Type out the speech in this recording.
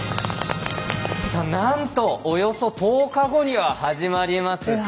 なんとおよそ１０日後には始まります